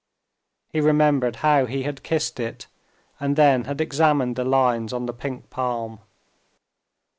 He remembered how he had kissed it and then had examined the lines on the pink palm.